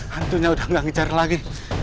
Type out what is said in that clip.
hantunya udah gak ngejar lagi